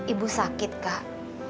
ibu sakit kak